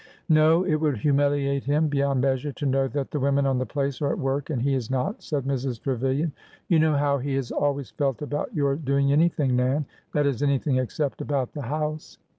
" No. It would humiliate him beyond measure to know that the women on the place are at work and he is not," said Mrs. Trevilian. " You know how he has al ways felt about your doing anything. Nan, — that is, any thing except about the house."